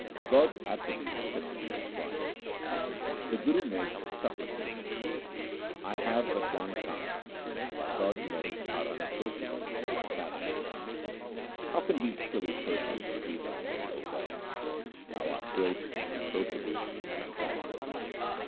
God's attributes cannot be described. The Guru makes supplication :— I have but one tongue while God's merits are unapproach able and unfathomable. How can we silly persons repeat Thy name, O God ? Thou art great, unapproachable, and unfathomable.